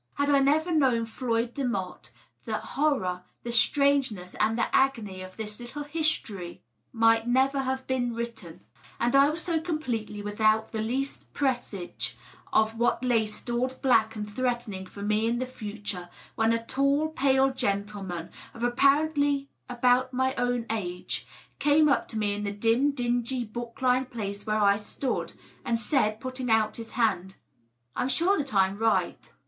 Had I never known Floyd Demotte, the horror, the strangeness and the agony of this little history might never have been written. And I was so completely without the least presage of what lay stored black and threatening for me in the future, when a tall, pale gentleman, of apparently about my own age, came up to me in the dim, dingy, book lined place where I stood, and said, putting out his hand, —" I am sure that I am right.